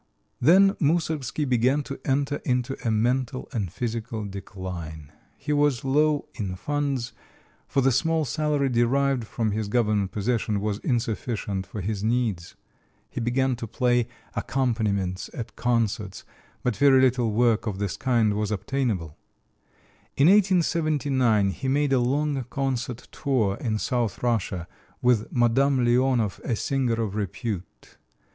Then Moussorgsky began to enter into a mental and physical decline. He was low in funds, for the small salary derived from his government position was insufficient for his needs. He began to play accompaniments at concerts, but very little work of this kind was obtainable. In 1879 he made a long concert tour in South Russia with Madam Leonoff, a singer of repute.